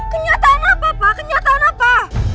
kenyataan apa pak kenyataan apa